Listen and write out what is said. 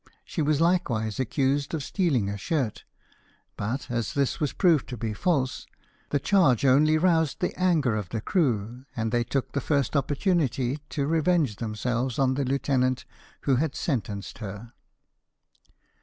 She was likewise accused of stealing a shirt, but, as this was proved to be false, the charge only roused the anger of the crew, and they took the first opportunity to revenge themselves on the lieutenant who had sentenced her.